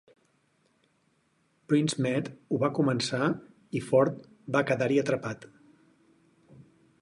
Brinsmead ho va començar i Ford va quedar-hi atrapat.